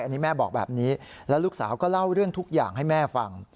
อันนี้แม่บอกแบบนี้แล้วลูกสาวก็เล่าเรื่องทุกอย่างให้แม่ฟัง